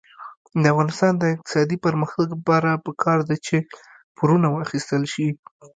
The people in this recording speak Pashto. د افغانستان د اقتصادي پرمختګ لپاره پکار ده چې پورونه واخیستل شي.